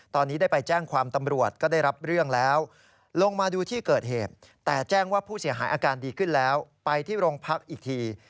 แต่แจ้งว่าผู้เสียหายอาการดีขึ้นแล้วไปที่โรงพักอีกที